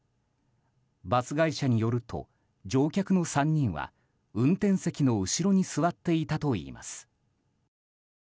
バス会社によると乗客の３人は運転席の後ろに座っていたといいます。